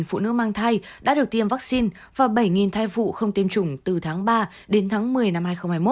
một phụ nữ mang thai đã được tiêm vaccine và bảy thai vụ không tiêm chủng từ tháng ba đến tháng một mươi năm hai nghìn hai mươi một